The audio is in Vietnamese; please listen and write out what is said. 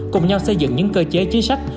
cùng nhau xây dựng những cơ chế chính sách